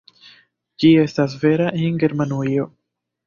Ĝi estas vera en Germanujo.